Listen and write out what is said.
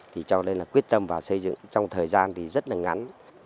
thì cho nên là quyết tâm vào xây dựng trong thời gian thì rất là ngắn